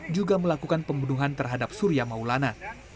juga melakukan pembunuhan terhadap surya maulana